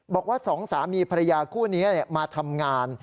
บอกว่าสองสามีภรรยาคู่นี้มาทำงาน